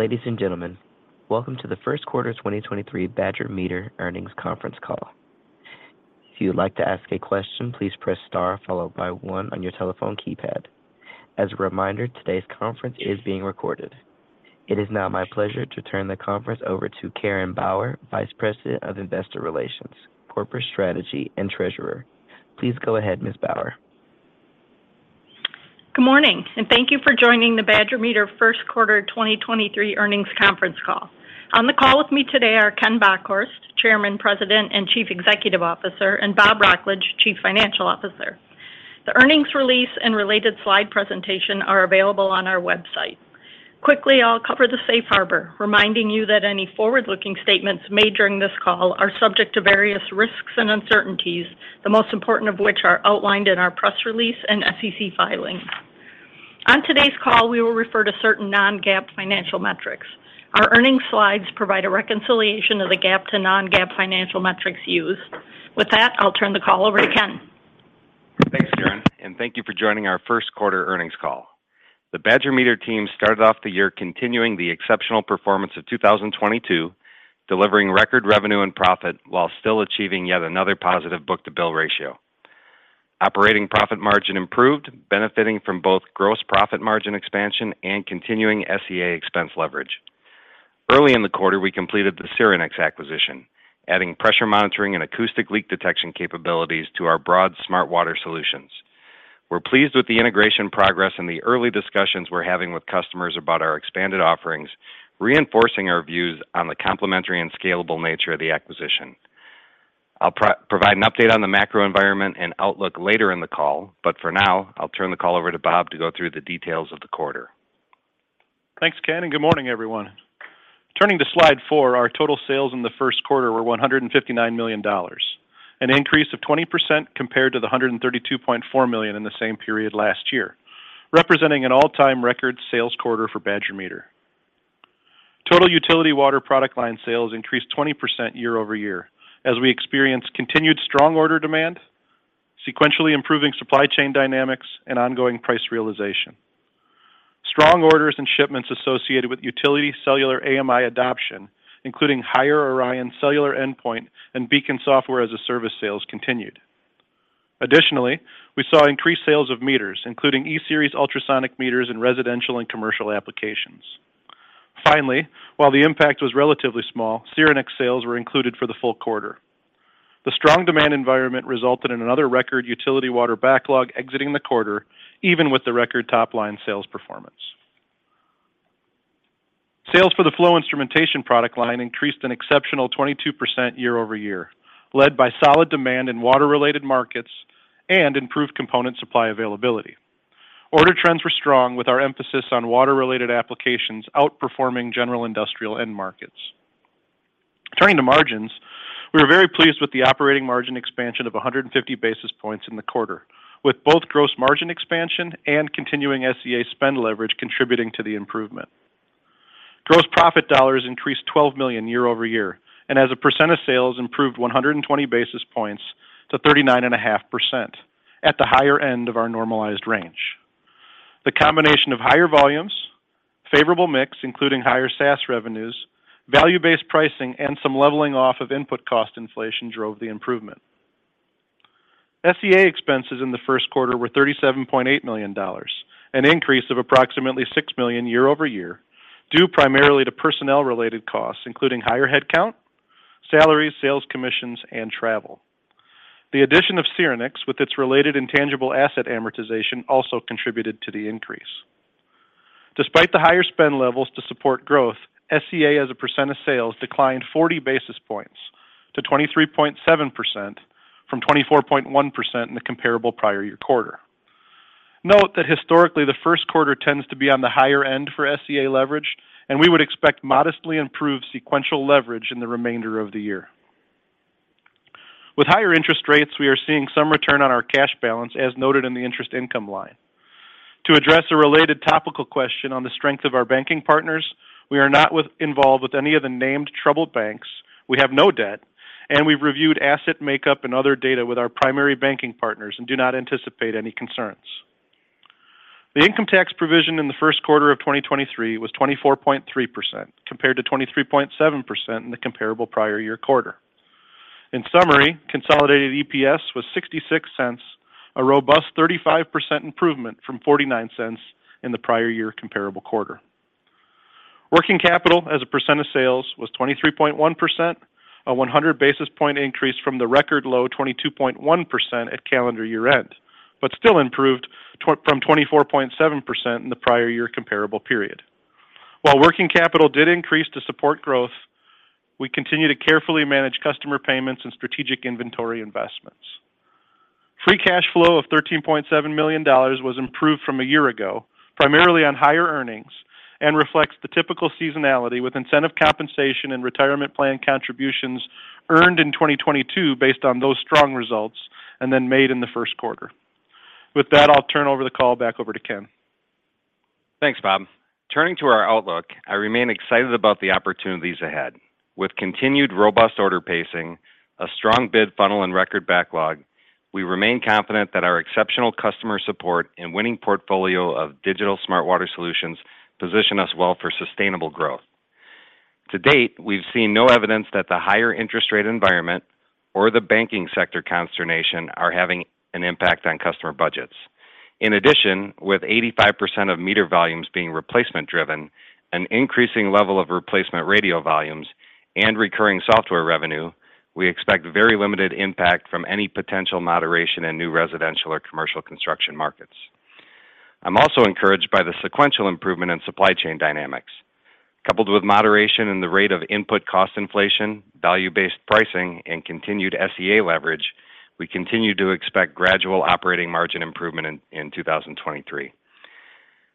Ladies and gentlemen, welcome to the first quarter 2023 Badger Meter earnings conference call. If you would like to ask a question, please press star followed by one on your telephone keypad. As a reminder, today's conference is being recorded. It is now my pleasure to turn the conference over to Karen Bauer, Vice President of Investor Relations, Corporate Strategy and Treasurer. Please go ahead, Ms. Bauer. Good morning, thank you for joining the Badger Meter first quarter 2023 earnings conference call. On the call with me today are Ken Bockhorst, Chairman, President, and Chief Executive Officer, Bob Wrocklage, Chief Financial Officer. The earnings release and related slide presentation are available on our website. Quickly, I'll cover the safe harbor, reminding you that any forward-looking statements made during this call are subject to various risks and uncertainties, the most important of which are outlined in our press release and SEC filings. On today's call, we will refer to certain non-GAAP financial metrics. Our earnings slides provide a reconciliation of the GAAP to non-GAAP financial metrics used. With that, I'll turn the call over to Ken. Thanks, Karen. Thank you for joining our first quarter earnings call. The Badger Meter team started off the year continuing the exceptional performance of 2022, delivering record revenue and profit while still achieving yet another positive book-to-bill ratio. Operating profit margin improved, benefiting from both gross profit margin expansion and continuing SEA expense leverage. Early in the quarter, we completed the Syrinix acquisition, adding pressure monitoring and acoustic leak detection capabilities to our broad smart water solutions. We're pleased with the integration progress and the early discussions we're having with customers about our expanded offerings, reinforcing our views on the complementary and scalable nature of the acquisition. I'll provide an update on the macro environment and outlook later in the call, but for now, I'll turn the call over to Bob to go through the details of the quarter. Thanks, Ken. Good morning, everyone. Turning to slide 4, our total sales in the first quarter were $159 million, an increase of 20% compared to the $132.4 million in the same period last year, representing an all-time record sales quarter for Badger Meter. Total utility water product line sales increased 20% year-over-year as we experienced continued strong order demand, sequentially improving supply chain dynamics, and ongoing price realization. Strong orders and shipments associated with utility cellular AMI adoption, including higher ORION cellular endpoint and BEACON Software as a Service sales continued. We saw increased sales of meters, including E-Series ultrasonic meters in residential and commercial applications. While the impact was relatively small, Syrinix sales were included for the full quarter. The strong demand environment resulted in another record utility water backlog exiting the quarter, even with the record top-line sales performance. Sales for the flow instrumentation product line increased an exceptional 22% year-over-year, led by solid demand in water-related markets and improved component supply availability. Order trends were strong with our emphasis on water-related applications outperforming general industrial end markets. Turning to margins, we are very pleased with the operating margin expansion of 150 basis points in the quarter, with both gross margin expansion and continuing SEA spend leverage contributing to the improvement. Gross profit dollars increased $12 million year-over-year, and as a percent of sales improved 120 basis points to 39.5% at the higher end of our normalized range. The combination of higher volumes, favorable mix, including higher SaaS revenues, value-based pricing, and some leveling off of input cost inflation drove the improvement. SEA expenses in the first quarter were $37.8 million, an increase of approximately $6 million year-over-year, due primarily to personnel-related costs, including higher headcount, salaries, sales commissions, and travel. The addition of Syrinix, with its related intangible asset amortization, also contributed to the increase. Despite the higher spend levels to support growth, SEA as a percent of sales declined 40 basis points to 23.7% from 24.1% in the comparable prior year quarter. Note that historically, the first quarter tends to be on the higher end for SEA leverage, and we would expect modestly improved sequential leverage in the remainder of the year. With higher interest rates, we are seeing some return on our cash balance as noted in the interest income line. To address a related topical question on the strength of our banking partners, we are not involved with any of the named troubled banks. We have no debt, and we've reviewed asset makeup and other data with our primary banking partners and do not anticipate any concerns. The income tax provision in the first quarter of 2023 was 24.3%, compared to 23.7% in the comparable prior year quarter. In summary, consolidated EPS was $0.66, a robust 35% improvement from $0.49 in the prior year comparable quarter. Working capital as a percent of sales was 23.1%, a 100 basis point increase from the record low 22.1% at calendar year-end, but still improved from 24.7% in the prior year comparable period. While working capital did increase to support growth, we continue to carefully manage customer payments and strategic inventory investments. Free cash flow of $13.7 million was improved from a year ago, primarily on higher earnings, and reflects the typical seasonality with incentive compensation and retirement plan contributions earned in 2022 based on those strong results, and then made in the first quarter. With that, I'll turn over the call back over to Ken. Thanks, Bob. Turning to our outlook, I remain excited about the opportunities ahead. With continued robust order pacing, a strong bid funnel and record backlog. We remain confident that our exceptional customer support and winning portfolio of digital smart water solutions position us well for sustainable growth. To date, we've seen no evidence that the higher interest rate environment or the banking sector consternation are having an impact on customer budgets. With 85% of meter volumes being replacement driven, an increasing level of replacement radio volumes and recurring software revenue, we expect very limited impact from any potential moderation in new residential or commercial construction markets. I'm also encouraged by the sequential improvement in supply chain dynamics. Coupled with moderation in the rate of input cost inflation, value-based pricing and continued SEA leverage, we continue to expect gradual operating margin improvement in 2023.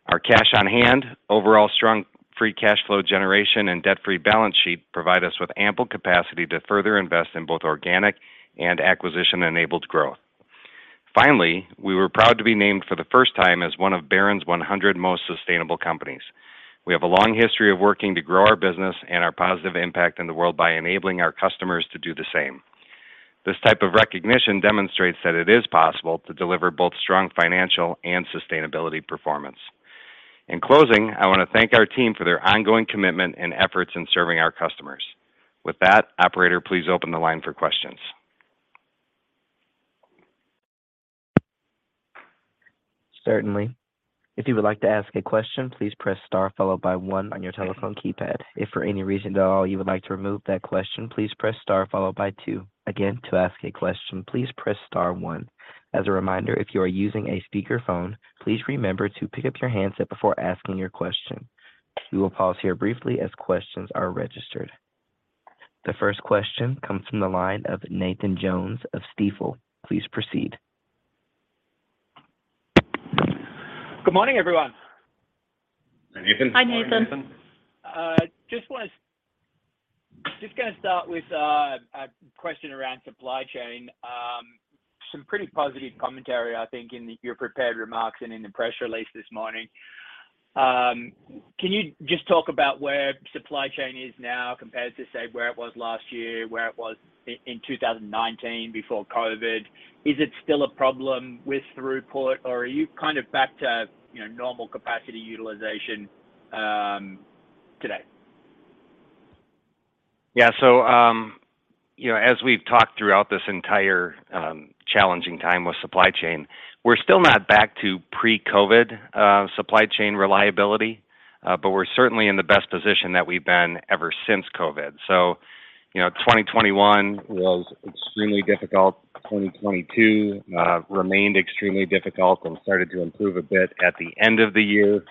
Our cash on hand, overall strong free cash flow generation, and debt-free balance sheet provide us with ample capacity to further invest in both organic and acquisition-enabled growth. We were proud to be named for the first time as one of Barron's 100 Most Sustainable Companies. We have a long history of working to grow our business and our positive impact in the world by enabling our customers to do the same. This type of recognition demonstrates that it is possible to deliver both strong financial and sustainability performance. In closing, I wanna thank our team for their ongoing commitment and efforts in serving our customers. With that, operator, please open the line for questions. Certainly. If you would like to ask a question, please press star followed by one on your telephone keypad. If for any reason at all you would like to remove that question, please press star followed by two. Again, to ask a question, please press star one. As a reminder, if you are using a speaker phone, please remember to pick up your handset before asking your question. We will pause here briefly as questions are registered. The first question comes from the line of Nathan Jones of Stifel. Please proceed. Good morning, everyone. Hey, Nathan. Hi, Nathan. Hi, Nathan. Just gonna start with a question around supply chain. Some pretty positive commentary, I think, in your prepared remarks and in the press release this morning. Can you just talk about where supply chain is now compared to, say, where it was last year, where it was in 2019 before COVID? Is it still a problem with throughput, or are you kind of back to, you know, normal capacity utilization today? Yeah. You know, as we've talked throughout this entire challenging time with supply chain, we're still not back to pre-COVID supply chain reliability. We're certainly in the best position that we've been ever since COVID. You know, 2021 was extremely difficult. 2022 remained extremely difficult and started to improve a bit at the end of the year.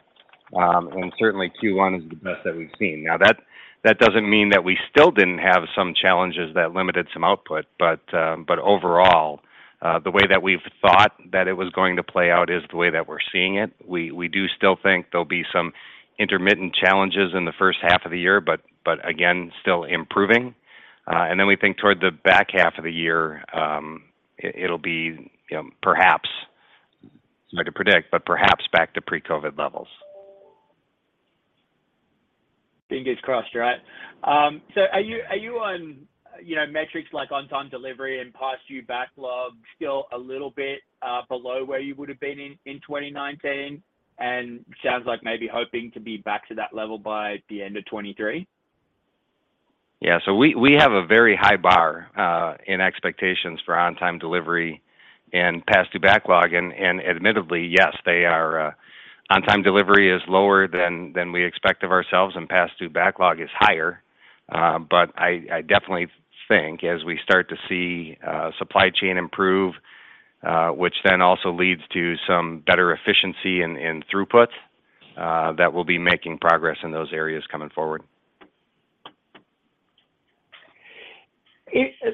Certainly 2021 is the best that we've seen. That, that doesn't mean that we still didn't have some challenges that limited some output. Overall, the way that we've thought that it was going to play out is the way that we're seeing it. We, we do still think there'll be some intermittent challenges in the first half of the year. Again, still improving. We think toward the back half of the year, it'll be, you know, perhaps, it's hard to predict, but perhaps back to pre-COVID levels. Fingers crossed, right? Are you on, you know, metrics like on time delivery and past due backlog still a little bit below where you would've been in 2019 and sounds like maybe hoping to be back to that level by the end of 2023? We have a very high bar in expectations for on-time delivery and past-due backlog. Admittedly, yes, they are, on-time delivery is lower than we expect of ourselves, and past-due backlog is higher. I definitely think as we start to see supply chain improve, which then also leads to some better efficiency and throughput, that we'll be making progress in those areas coming forward.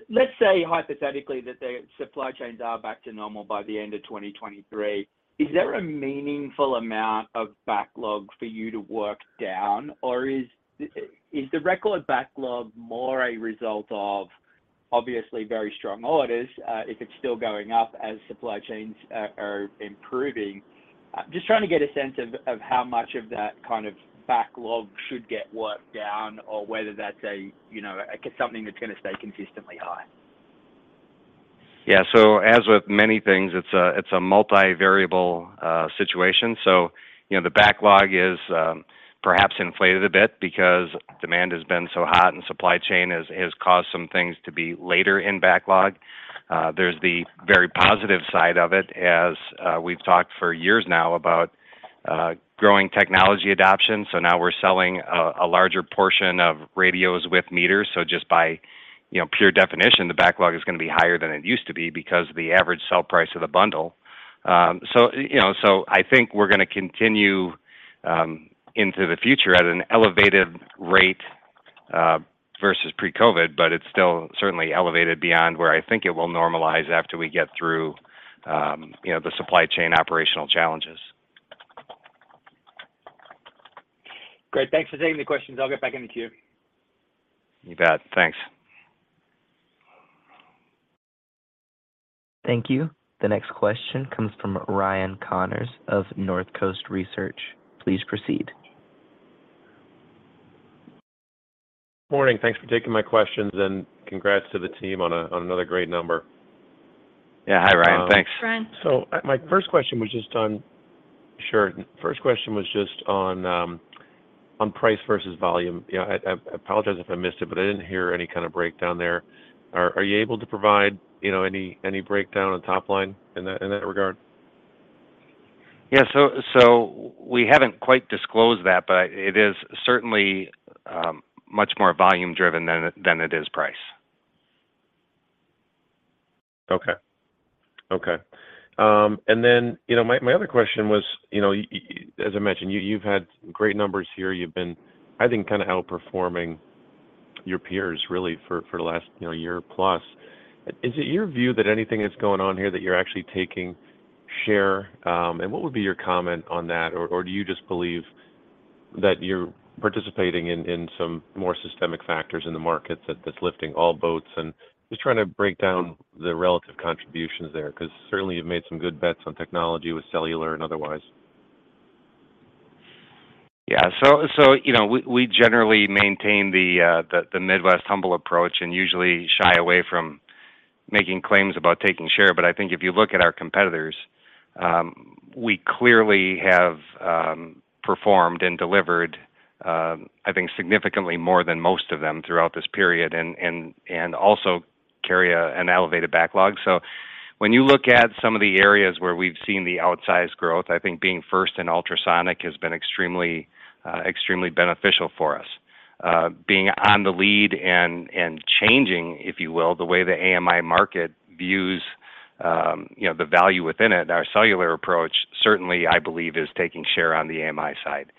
Let's say hypothetically that the supply chains are back to normal by the end of 2023. Is there a meaningful amount of backlog for you to work down, or is the record backlog more a result of obviously very strong orders, if it's still going up as supply chains are improving? Just trying to get a sense of how much of that kind of backlog should get worked down or whether that's a, you know, something that's gonna stay consistently high. Yeah. As with many things, it's a multi-variable situation. You know, the backlog is perhaps inflated a bit because demand has been so hot and supply chain has caused some things to be later in backlog. There's the very positive side of it as we've talked for years now about growing technology adoption. Now we're selling a larger portion of radios with meters. Just by, you know, pure definition, the backlog is gonna be higher than it used to be because the average sell price of the bundle. You know, I think we're gonna continue into the future at an elevated rate versus pre-COVID, but it's still certainly elevated beyond where I think it will normalize after we get through, you know, the supply chain operational challenges. Great. Thanks for taking the questions. I'll get back in the queue. You bet. Thanks. Thank you. The next question comes from Ryan Connors of North Coast Research. Please proceed. Morning. Thanks for taking my questions, and congrats to the team on another great number. Yeah. Hi, Ryan. Thanks. Hi, Ryan. My first question was just on. Sure. First question was just on price versus volume. You know, I apologize if I missed it, but I didn't hear any kind of breakdown there. Are you able to provide, you know, any breakdown on top line in that, in that regard? Yeah. We haven't quite disclosed that, but it is certainly, much more volume driven than it is price. Okay. Okay. You know, my other question was, you know, as I mentioned, you've had great numbers here. You've been, I think, kind of outperforming your peers really for the last, you know, year plus. Is it your view that anything that's going on here that you're actually taking share? What would be your comment on that? Do you just believe that you're participating in some more systemic factors in the market that's lifting all boats? Just trying to break down the relative contributions there 'cause certainly you've made some good bets on technology with cellular and otherwise. Yeah. You know, we generally maintain the Midwest humble approach and usually shy away from making claims about taking share. I think if you look at our competitors, we clearly have performed and delivered, I think significantly more than most of them throughout this period and also carry an elevated backlog. When you look at some of the areas where we've seen the outsized growth, I think being first in ultrasonic has been extremely beneficial for us. Being on the lead and changing, if you will, the way the AMI market views, you know, the value within it, our cellular approach certainly I believe is taking share on the AMI side.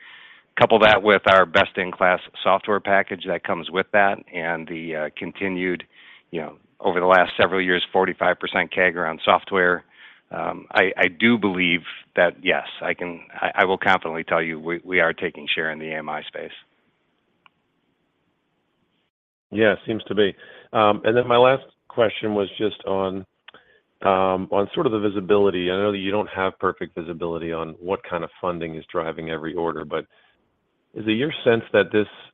Couple that with our best-in-class software package that comes with that and the continued, you know, over the last several years, 45% CAGR on software, I do believe that, yes, I will confidently tell you, we are taking share in the AMI space. Yeah, seems to be. My last question was just on sort of the visibility. I know that you don't have perfect visibility on what kind of funding is driving every order, but is it your sense that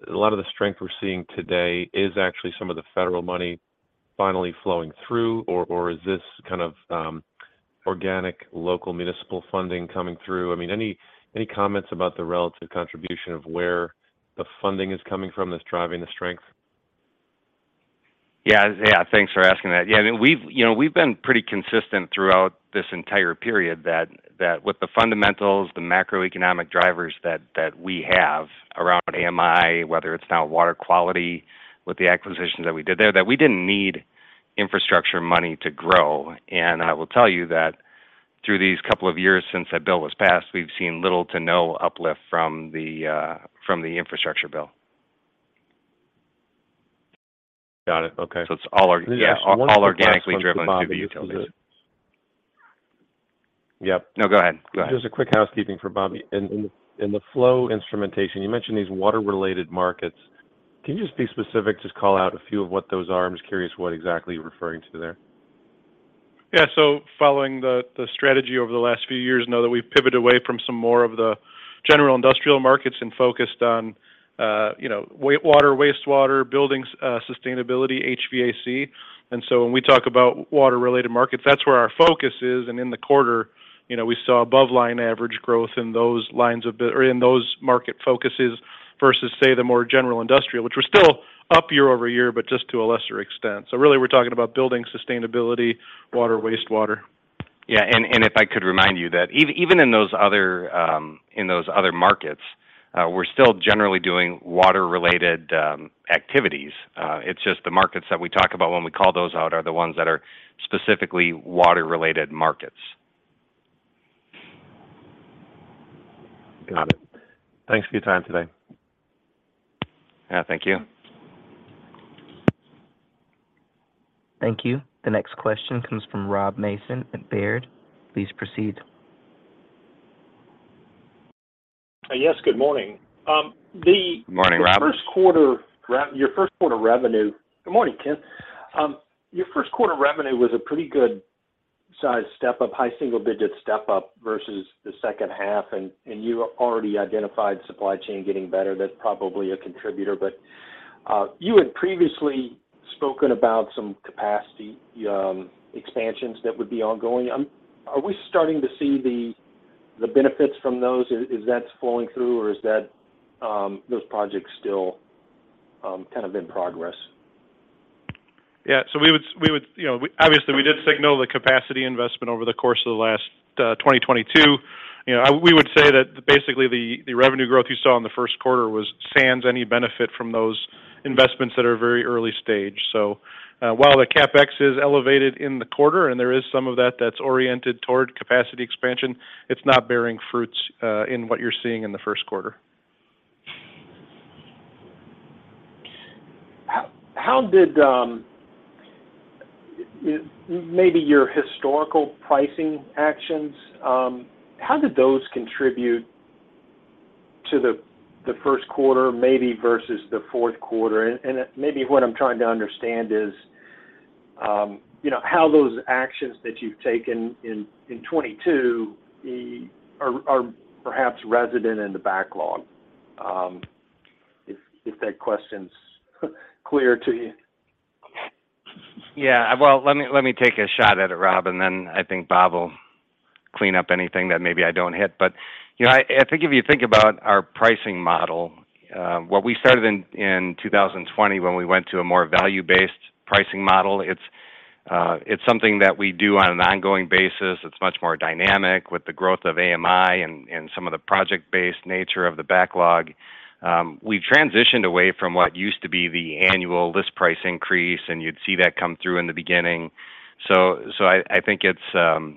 a lot of the strength we're seeing today is actually some of the federal money finally flowing through, or is this kind of organic local municipal funding coming through? I mean, any comments about the relative contribution of where the funding is coming from that's driving the strength? Yeah. Yeah. Thanks for asking that. Yeah. I mean, we've, you know, we've been pretty consistent throughout this entire period that with the fundamentals, the macroeconomic drivers that we have around AMI, whether it's now water quality with the acquisitions that we did there, that we didn't need infrastructure money to grow. I will tell you that through these couple of years since that bill was passed, we've seen little to no uplift from the infrastructure bill. Got it. Okay. It's all. Just one-. Yeah. All organically- Last one for Bobby. -driven through the utilities. Yep. No, go ahead. Go ahead. Just a quick housekeeping for Bobby. In the flow instrumentation, you mentioned these water-related markets. Can you just be specific, just call out a few of what those are? I'm just curious what exactly you're referring to there. Yeah. Following the strategy over the last few years, know that we've pivoted away from some more of the general industrial markets and focused on, you know, water, wastewater, buildings, sustainability, HVAC. When we talk about water-related markets, that's where our focus is. In the quarter, you know, we saw above line average growth in those market focuses versus, say, the more general industrial, which were still up year-over-year, but just to a lesser extent. Really we're talking about building sustainability, water, wastewater. Yeah. If I could remind you that even in those other markets, we're still generally doing water-related activities. It's just the markets that we talk about when we call those out are the ones that are specifically water-related markets. Got it. Thanks for your time today. Yeah. Thank you. Thank you. The next question comes from Rob Mason at Baird. Please proceed. Yes. Good morning. Morning, Rob. The first quarter revenue. Good morning, Ken. Your first quarter revenue was a pretty good-sized step-up, high single-digit step-up versus the second half, you already identified supply chain getting better. That's probably a contributor. You had previously spoken about some capacity expansions that would be ongoing. Are we starting to see the benefits from those? Is that flowing through, or is that those projects still kind of in progress? We would, you know, obviously, we did signal the capacity investment over the course of the last 2022. You know, we would say that basically the revenue growth you saw in the first quarter was sans any benefit from those investments that are very early stage. While the CapEx is elevated in the quarter and there is some of that that's oriented toward capacity expansion, it's not bearing fruits in what you're seeing in the first quarter. How did maybe your historical pricing actions, how did those contribute to the first quarter maybe versus the fourth quarter? Maybe what I'm trying to understand is, you know, how those actions that you've taken in 2022 are perhaps resident in the backlog. If that question's clear to you. Yeah. Well, let me take a shot at it, Rob, and then I think Bob will clean up anything that maybe I don't hit. You know, I think if you think about our pricing model, what we started in 2020 when we went to a more value-based pricing model, it's something that we do on an ongoing basis. It's much more dynamic with the growth of AMI and some of the project-based nature of the backlog. We've transitioned away from what used to be the annual list price increase, and you'd see that come through in the beginning. I think it's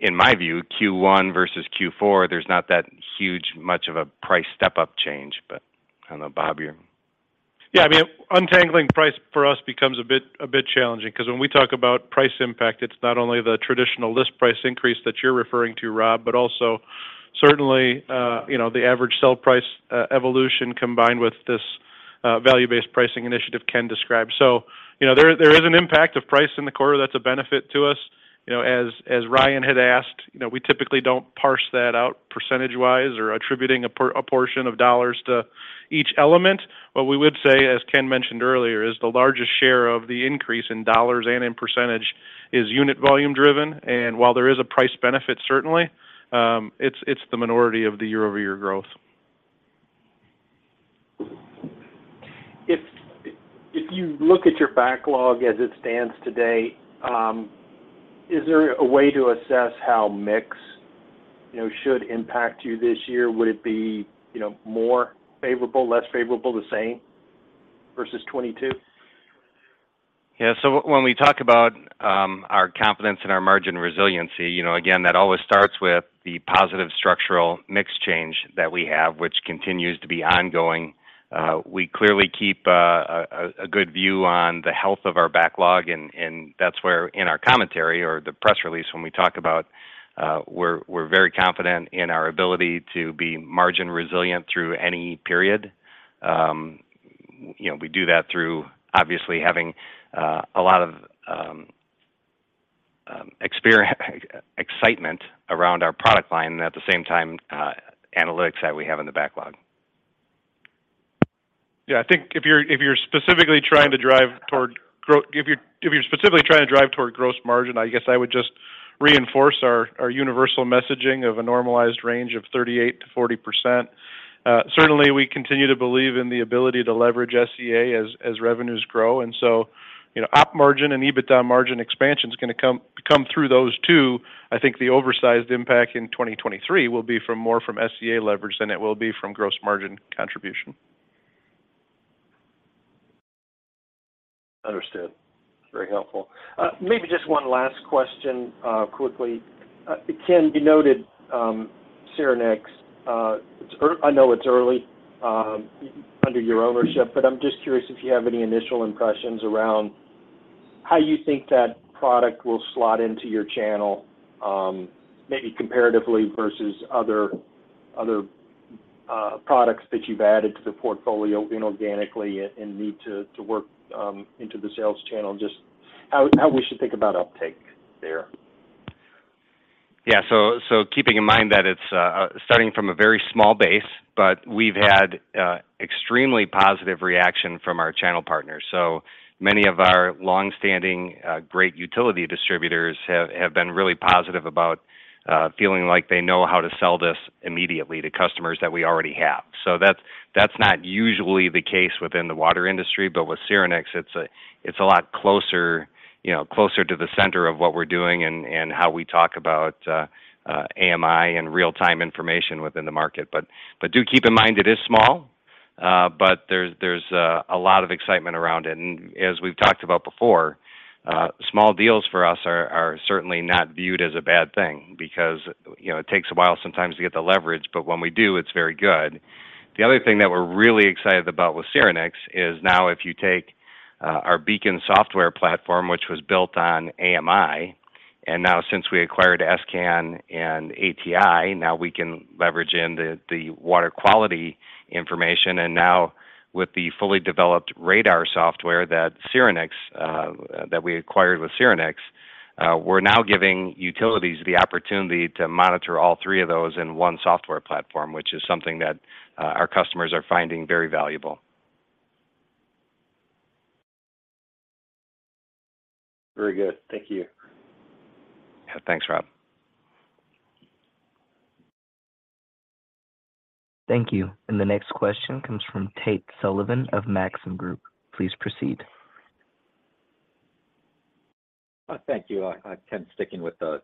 in my view, Q1 versus Q4, there's not that huge much of a price step-up change. I don't know, Bob. Yeah. I mean, untangling price for us becomes a bit challenging because when we talk about price impact, it's not only the traditional list price increase that you're referring to, Rob, but also certainly, you know, the average sell price evolution combined with this value-based pricing initiative Ken described. You know, there is an impact of price in the quarter that's a benefit to us. You know, as Ryan had asked, you know, we typically don't parse that out percentage-wise or attributing a portion of dollars to each element. What we would say, as Ken mentioned earlier, is the largest share of the increase in dollars and in percentage is unit volume driven. While there is a price benefit, certainly, it's the minority of the year-over-year growth. If you look at your backlog as it stands today, is there a way to assess how mix, you know, should impact you this year? Would it be, you know, more favorable, less favorable, the same versus 2022? Yeah. When we talk about our confidence in our margin resiliency, you know, again, that always starts with the positive structural mix change that we have, which continues to be ongoing. We clearly keep a good view on the health of our backlog and that's where in our commentary or the press release when we talk about, we're very confident in our ability to be margin resilient through any period. You know, we do that through obviously having a lot of excitement around our product line, and at the same time, analytics that we have in the backlog. Yeah. I think if you're specifically trying to drive toward gross margin, I guess I would just reinforce our universal messaging of a normalized range of 38%-40%. Certainly, we continue to believe in the ability to leverage SEA as revenues grow. You know, op margin and EBITDA margin expansion is gonna come through those two. I think the oversized impact in 2023 will be from more from SEA leverage than it will be from gross margin contribution. Understood. Very helpful. Maybe just one last question, quickly. Ken, you noted, Syrinix, I know it's early, under your ownership, but I'm just curious if you have any initial impressions around how you think that product will slot into your channel, maybe comparatively versus other products that you've added to the portfolio inorganically and need to work, into the sales channel, just how we should think about uptake there? Yeah. Keeping in mind that it's starting from a very small base, but we've had extremely positive reaction from our channel partners. Many of our long-standing great utility distributors have been really positive about feeling like they know how to sell this immediately to customers that we already have. That's not usually the case within the water industry, but with Syrinix, it's a lot closer, you know, closer to the center of what we're doing and how we talk about AMI and real-time information within the market. Do keep in mind it is small, but there's a lot of excitement around it. As we've talked about before, small deals for us are certainly not viewed as a bad thing because, you know, it takes a while sometimes to get the leverage, but when we do, it's very good. The other thing that we're really excited about with Syrinix is now if you take our BEACON software platform, which was built on AMI, and now since we acquired s::can and ATi, now we can leverage in the water quality information. Now with the fully developed RADAR software that Syrinix, that we acquired with Syrinix, we're now giving utilities the opportunity to monitor all three of those in one software platform, which is something that our customers are finding very valuable. Very good. Thank you. Yeah. Thanks, Rob. Thank you. The next question comes from Tate Sullivan of Maxim Group. Please proceed. Thank you. Ken, sticking with the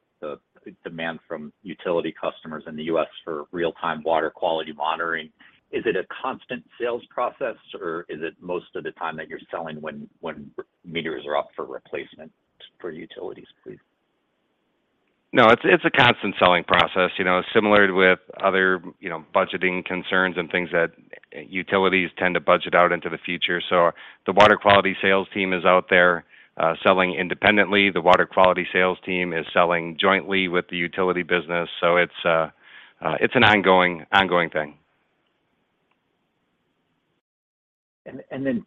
demand from utility customers in the U.S. for real-time water quality monitoring, is it a constant sales process, or is it most of the time that you're selling when meters are up for replacement for utilities, please? No, it's a constant selling process, you know. Similar with other, you know, budgeting concerns and things that utilities tend to budget out into the future. The water quality sales team is out there, selling independently. The water quality sales team is selling jointly with the utility business. It's an ongoing thing.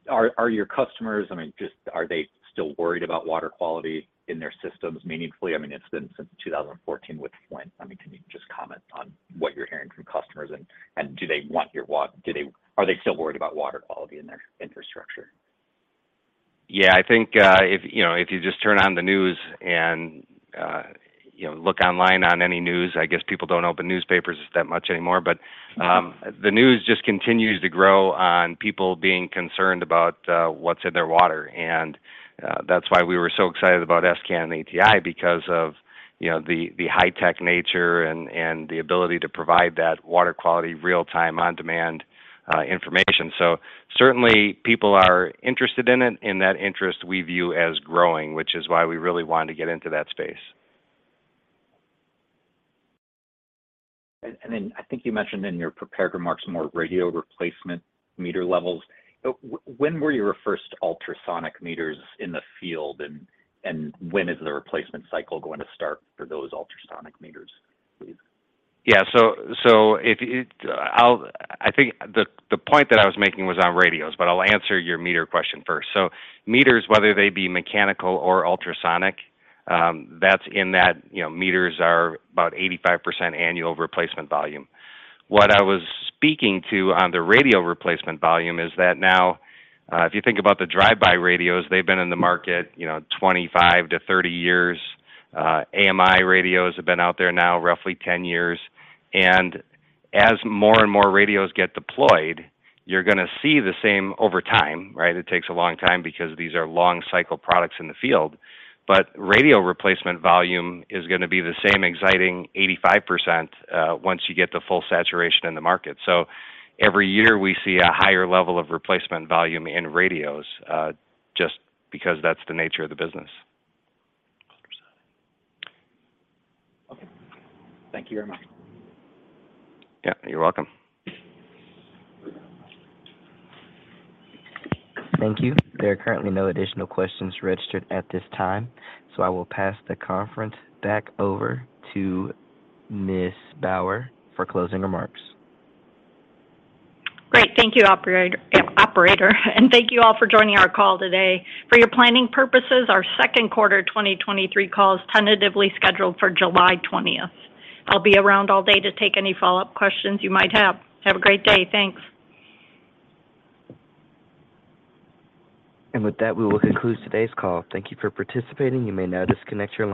Are your customers, I mean, just, are they still worried about water quality in their systems meaningfully? It's been since 2014 with Flint. Can you just comment on what you're hearing from customers and do they want your, are they still worried about water quality in their infrastructure? I think, if, you know, if you just turn on the news and, you know, look online on any news, I guess people don't open newspapers that much anymore, but, the news just continues to grow on people being concerned about, what's in their water. That's why we were so excited about s::can and ATi because of, you know, the high tech nature and, the ability to provide that water quality real-time, on-demand, information. Certainly people are interested in it, and that interest we view as growing, which is why we really wanted to get into that space. Then I think you mentioned in your prepared remarks more radio replacement meter levels. When were your first ultrasonic meters in the field and when is the replacement cycle going to start for those ultrasonic meters, please? I think the point that I was making was on radios. I'll answer your meter question first. Meters, whether they be mechanical or ultrasonic, that's in that, you know, meters are about 85% annual replacement volume. What I was speaking to on the radio replacement volume is that now, if you think about the drive-by radios, they've been in the market, you know, 25-30 years. AMI radios have been out there now roughly 10 years. As more and more radios get deployed, you're gonna see the same over time, right? It takes a long time because these are long cycle products in the field. Radio replacement volume is gonna be the same exciting 85% once you get the full saturation in the market. Every year we see a higher level of replacement volume in radios, just because that's the nature of the business. Ultrasonic. Okay. Thank you very much. Yeah, you're welcome. Thank you. There are currently no additional questions registered at this time. I will pass the conference back over to Ms. Bauer for closing remarks. Great. Thank you, operator, and thank you all for joining our call today. For your planning purposes, our second quarter 2023 call is tentatively scheduled for July 20th. I'll be around all day to take any follow-up questions you might have. Have a great day. Thanks. With that, we will conclude today's call. Thank you for participating. You may now disconnect your line.